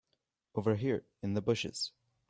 Over here in the bushes.